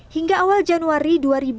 hingga awal januari dua ribu dua puluh